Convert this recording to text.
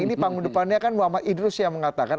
ini panggung depannya kan muhammad idrus yang mengatakan